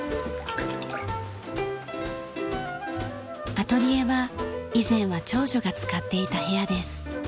アトリエは以前は長女が使っていた部屋です。